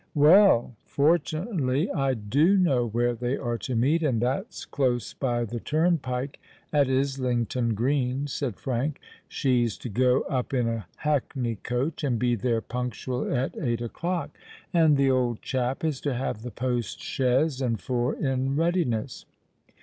"Well—fortunately I do know where they are to meet—and that's close by the turnpike at Islington Green," said Frank. "She's to go up in a hackney coach, and be there punctual at eight o'clock; and the old chap is to have the post chaise and four in readiness.